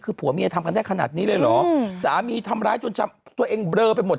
คือผัวเมียทำกันได้ขนาดนี้เลยเหรอสามีทำร้ายจนจำตัวเองเบลอไปหมด